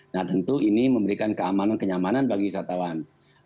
nah tentu ini memberikan keamanan kenyamanan bagi wisatawan